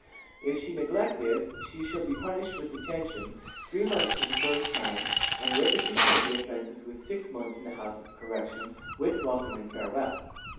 If she neglect this she shall be punished with detention, three months for the first time, on repetition of the offense with six months in the House of Correction, with welcome and farewell.